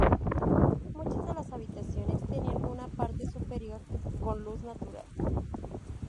Muchas de las habitaciones tenían una parte superior con luz natural.